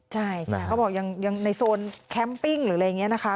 ใช่เขาบอกยังในโซนแคมปิ้งหรืออะไรอย่างนี้นะคะ